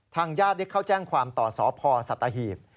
ทางญาติเขาแจ้งความต่อสอบพ่อสัตว์อาหีพ